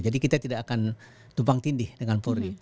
jadi kita tidak akan tumpang tindih dengan polri